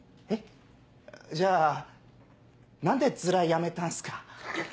えっじゃあ何でヅラやめたんすか？